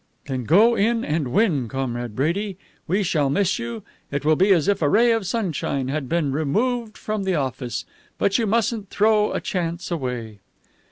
"Then go in and win, Comrade Brady. We shall miss you. It will be as if a ray of sunshine had been removed from the office. But you mustn't throw a chance away."